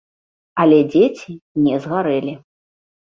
Але дзеці не згарэлі.